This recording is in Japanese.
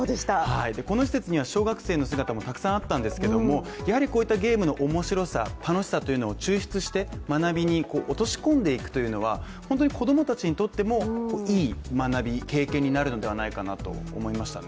この施設には小学生の姿もたくさんあったんですけども、やはりこういったゲームの面白さ、楽しさというのを抽出して学びに落とし込んでいくというのは、本当に子供たちにとって、いい学び、経験になるのではないかなと思いましたね。